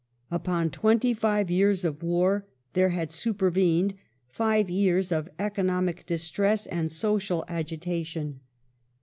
Upon twenty five years of war there had supervened five years of economic distress and social agitation.